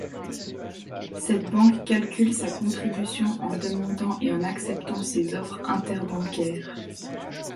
Cette banque calcule sa contribution en demandant et en acceptant ses offres interbancaires.